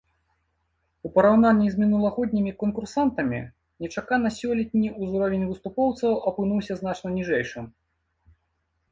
У параўнанні з мінулагоднімі канкурсантамі, нечакана сёлетні ўзровень выступоўцаў апынуўся значна ніжэйшым.